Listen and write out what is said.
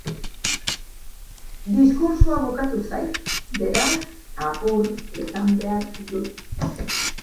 Gizona etxetik aterarazi, eta lehendabizi emakumearekin hitz egin zuten agenteek.